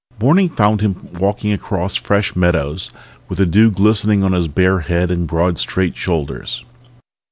Morning found him walking across fresh meadowlands with the dew glistening on his bare head and broad, straight shoulders.